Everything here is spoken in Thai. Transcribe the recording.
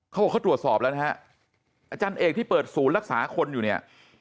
เขาบอกเขาตรวจสอบแล้วนะฮะอาจารย์เอกที่เปิดศูนย์รักษาคนอยู่เนี่ย